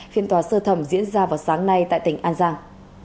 phiên tòa sơ thẩm diễn ra vào sáng nay tại tỉnh an giang